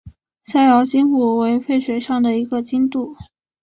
逍遥津古为淝水上的一个津渡。